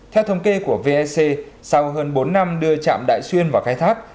theo thống kê của vec sau hơn bốn năm đưa chạm đại xuyên vào khai thác